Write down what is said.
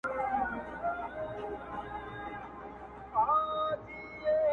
اوراورکے شه رنړاګانې په تيارو کـــــــې وکه